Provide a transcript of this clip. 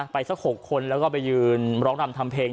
สัก๖คนแล้วก็ไปยืนร้องรำทำเพลง